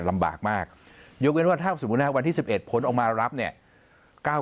ลำบากมากหยุดเวลาถ้าสมมุติวันที่๑๑พ้นออกมารับเนี่ยก้าว